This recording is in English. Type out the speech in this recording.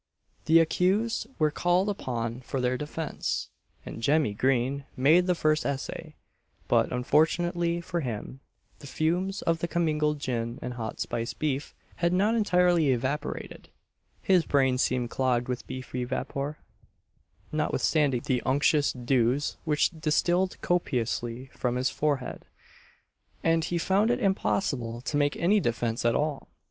The accused were called upon for their defence; and Jemmy Green made the first essay; but, unfortunately for him, the fumes of the commingled gin and hot spiced beef had not entirely evaporated his brain seemed clogged with beefy vapour, notwithstanding the unctuous dews which distilled copiously from his forehead, and he found it impossible to make any defence at all.